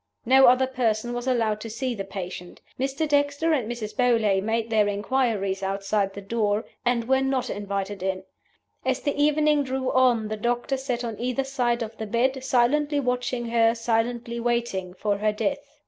No other person was allowed to see the patient. Mr. Dexter and Mrs. Beauly made their inquiries outside the door, and were not invited in. As the evening drew on the doctors sat on either side of the bed, silently watching her, silently waiting for her death.